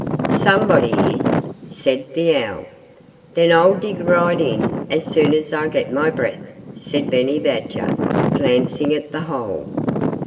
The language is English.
"Somebody is," said the owl. "Then I'll dig right in as soon as I get my breath," said Benny Badger, glancing at the hole.